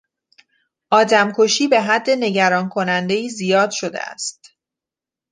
آدم کشی به حد نگران کنندهای زیاد شده است.